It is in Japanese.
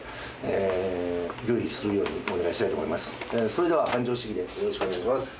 それでは班長指揮でよろしくお願いします。